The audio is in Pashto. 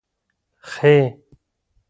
خ